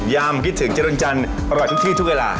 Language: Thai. คิดถึงเจริญจันทร์อร่อยทุกที่ทุกเวลา